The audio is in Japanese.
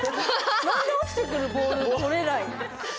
何で落ちてくるボール取れない。